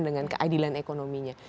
dengan keadilan ekonominya